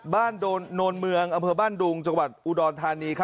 โนนเมืองอำเภอบ้านดุงจังหวัดอุดรธานี